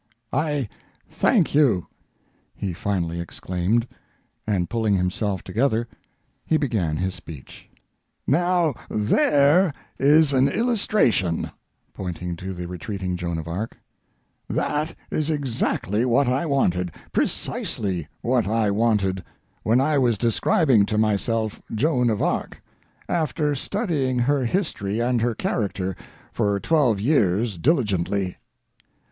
"I thank you!" he finally exclaimed, and, pulling himself together, he began his speech. Now there is an illustration [pointing to the retreating Joan of Arc]. That is exactly what I wanted—precisely what I wanted—when I was describing to myself Joan of Arc, after studying her history and her character for twelve years diligently.